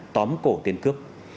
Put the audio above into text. tóm cổ tên cướp